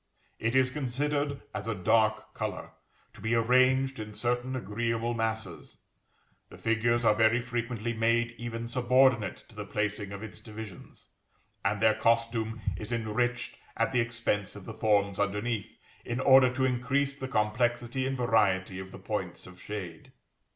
It is considered as a dark color, to be arranged in certain agreeable masses; the figures are very frequently made even subordinate to the placing of its divisions: and their costume is enriched at the expense of the forms underneath, in order to increase the complexity and variety of the points of shade.